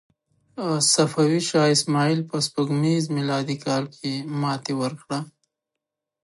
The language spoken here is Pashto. صفوي شاه اسماعیل په سپوږمیز میلادي کال کې ماتې ورکړه.